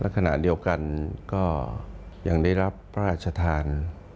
ขณะเดียวกันก็ยังได้รับพระราชทาน